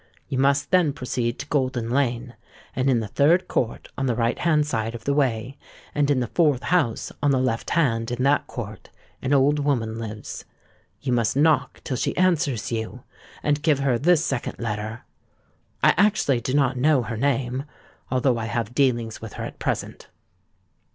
You must then proceed to Golden Lane; and in the third court on the right hand side of the way, and in the fourth house on the left hand in that court, an old woman lives. You must knock till she answers you; and give her this second letter. I actually do not know her name, although I have dealings with her at present."